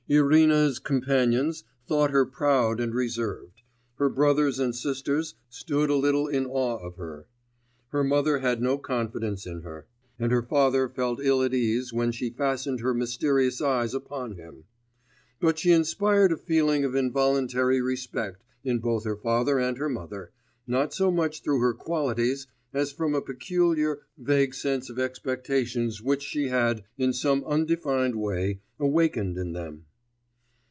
Irina's companions thought her proud and reserved: her brothers and sisters stood a little in awe of her: her mother had no confidence in her: and her father felt ill at ease when she fastened her mysterious eyes upon him. But she inspired a feeling of involuntary respect in both her father and her mother, not so much through her qualities, as from a peculiar, vague sense of expectations which she had, in some undefined way, awakened in them.